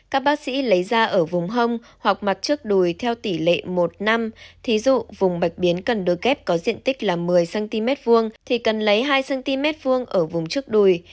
các bác sĩ lấy ra ở vùng hông hoặc mặt trước đùi theo tỷ lệ một năm thí dụ vùng bạch biến cần đôi kép có diện tích là một mươi cm hai thì cần lấy hai cm hai ở vùng trước đùi